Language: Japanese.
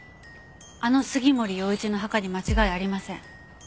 あの杉森陽一の墓に間違いありません。